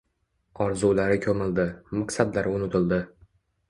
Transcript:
Orzulari koʻmildi, maqsadlari unutildi